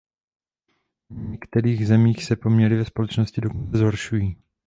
V některých zemích se poměry ve společnosti dokonce zhoršují.